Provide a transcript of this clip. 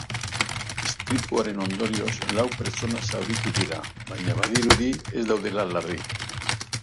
Istripuaren ondorioz lau pertsona zauritu dira, baina badirudi ez daudela larri.